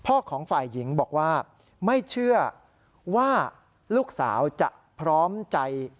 ของฝ่ายหญิงบอกว่าไม่เชื่อว่าลูกสาวจะพร้อมใจ